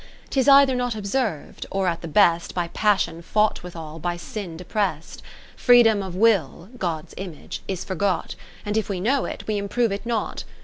40 'Tis either not observ'd, or at the best By Passion fought withal, by Sin deprest. Freedom of Will (God's image) is forgot ; And if we know it, we improve it not.